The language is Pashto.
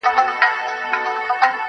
• دا سودا سوه پر احسان چي احسان وینم,